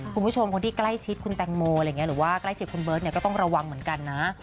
คุณผู้ชมคนที่ใกล้ชิดคุณแตงโมอะไรอย่างนี้หรือว่าใกล้ชิดคุณเบิร์ตเนี่ยก็ต้องระวังเหมือนกันนะ